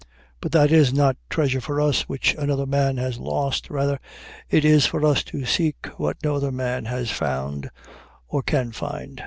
But that is not treasure for us which another man has lost; rather it is for us to seek what no other man has found or can find."